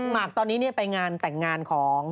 มาร์คตอนนี้เนี่ยไปงานแต่งงานของ